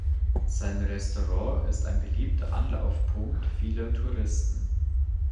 Sein Restaurant ist ein beliebter Anlaufpunkt vieler Touristen.